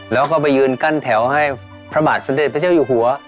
แล้วก็ไปยืนกั้นแถวให้พระบาทสมเด็จพระเจ้าอยู่หัว